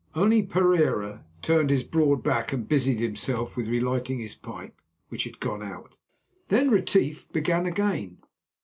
Only Pereira turned his broad back and busied himself with relighting his pipe, which had gone out. Then Retief began again.